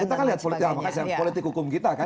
kita kan lihat politik hukum kita kan